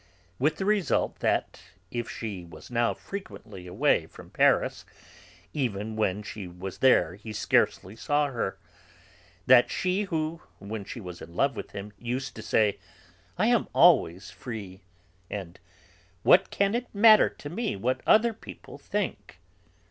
With the result that, if she was now frequently away from Paris, even when she was there he scarcely saw her; that she who, when she was in love with him, used to say, "I am always free" and "What can it matter to me, what other people think?"